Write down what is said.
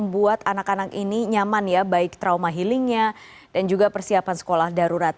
buat anak anak ini nyaman ya baik trauma healingnya dan juga persiapan sekolah darurat